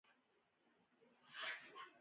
د پلار په مال کې شفيق ته يو جرېب ځمکه ورسېده.